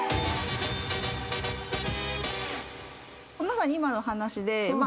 まさに今の話で。